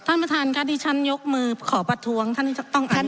ท่านประธานค่ะที่ฉันยกมือขอประท้วงท่านที่จะต้องอัน